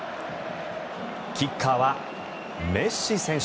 キッカーはメッシ選手。